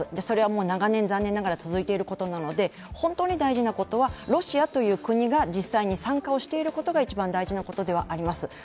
それは長年、残念ながら続いていることなので本当に大事なことはロシアという国が実際に参加をしていることが一番大事なことではあります。